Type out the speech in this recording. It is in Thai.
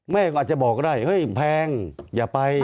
แม่ก็อาจจะบอกได้เฮ้ยแพงอย่าไป